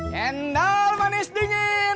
cendol manis dingin